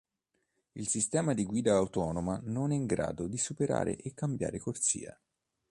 Il sistema di guida autonoma non è in grado di superare e cambiare corsia.